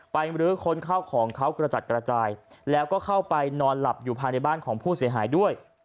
มรื้อค้นเข้าของเขากระจัดกระจายแล้วก็เข้าไปนอนหลับอยู่ภายในบ้านของผู้เสียหายด้วย